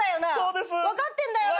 分かってんだよな？